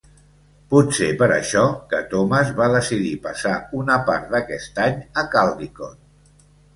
Pot ser per això que Thomas va decidir passar una part d'aquest any a Caldicot.